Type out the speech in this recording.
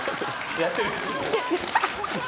「やってる？」